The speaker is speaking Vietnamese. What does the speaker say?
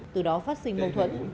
từ đó phát sinh mâu thuẫn